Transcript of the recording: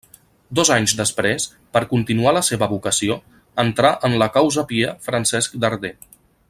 Dos anys després, per continuar la seva vocació, entrà en la Causa Pia Francesc Darder.